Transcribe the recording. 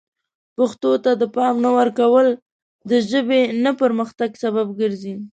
پښتو ته د پام نه ورکول د ژبې نه پرمختګ سبب ګرځي.